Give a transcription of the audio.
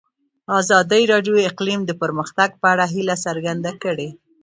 ازادي راډیو د اقلیم د پرمختګ په اړه هیله څرګنده کړې.